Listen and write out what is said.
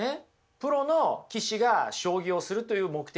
プロの棋士が将棋をするという目的。